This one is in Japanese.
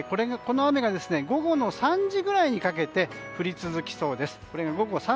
この雨が午後３時ぐらいにかけて降り続きそうです。